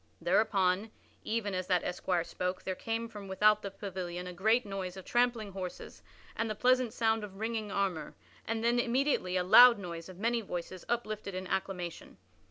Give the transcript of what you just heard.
Thereupon, even as that esquire spoke, there came from without the pavilion a great noise of trampling horses and the pleasant sound of ringing armor, and then immediately a loud noise of many voices uplifted in acclamation.